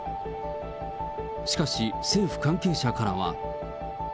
しかし、政府関係者からは。